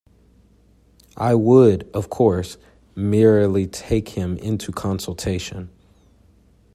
I would, of course, merely take him into consultation.